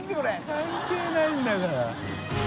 関係ないんだから。